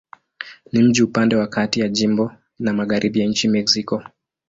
Ni mji upande wa kati ya jimbo na magharibi ya nchi Mexiko.